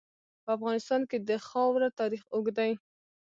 په افغانستان کې د خاوره تاریخ اوږد دی.